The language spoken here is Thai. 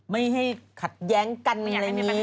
ไม่ให้ขัดแย้งกันอะไรอย่างนี้